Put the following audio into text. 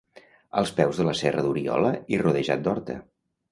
Als peus de la Serra d'Oriola i rodejat d'horta.